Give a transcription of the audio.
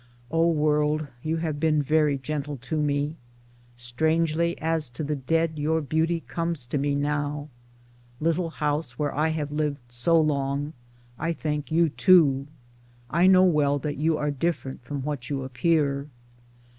O world you have been very gentle to me ! Strangely as to the dead your beauty comes to me now. Little house where I have lived so long, I thank you too : I know well that you are different from what you appear.